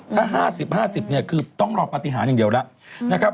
ถ้า๕๐๕๐คือต้องรอปฏิหารอย่างเดียวแล้ว